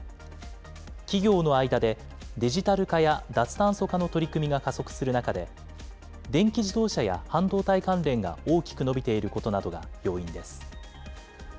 企業の間でデジタル化や脱炭素化の取り組みが加速する中で、電気自動車や半導体関連が大きく伸びていることなどが要因です。